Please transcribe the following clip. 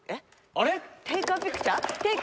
・あれ？